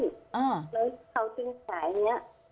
แล้วเขาจึงขายอย่างนี้